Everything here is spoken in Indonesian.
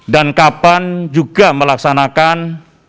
dan kapan juga melaksanakan